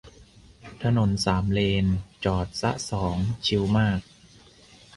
ถนนสามเลน จอดซะสอง ชิลมาก